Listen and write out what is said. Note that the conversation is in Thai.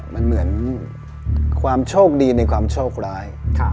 มันเหมือนความโชคดีในความโชคร้าย